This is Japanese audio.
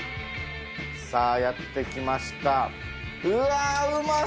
さあやってきました。